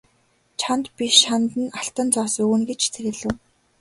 Чамд би шанд нь алтан зоос өгнө гэж тэр хэлэв.